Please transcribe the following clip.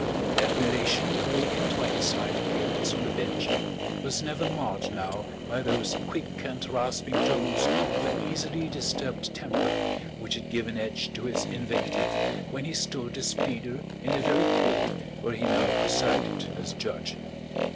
The admiration awakened by his fine appearance on the bench was never marred now by those quick and rasping tones of an easily disturbed temper which had given edge to his invective when he stood as pleader in the very court where he now presided as judge.